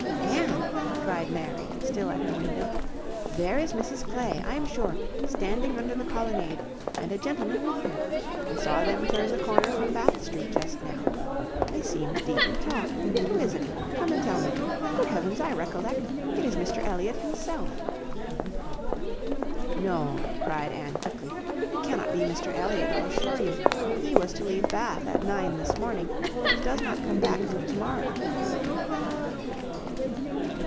"Anne," cried Mary, still at her window, "there is Mrs Clay, I am sure, standing under the colonnade, and a gentleman with her. I saw them turn the corner from Bath Street just now. They seemed deep in talk. Who is it? Come, and tell me. Good heavens! I recollect. It is Mr Elliot himself." "No," cried Anne, quickly, "it cannot be Mr Elliot, I assure you. He was to leave Bath at nine this morning, and does not come back till to morrow."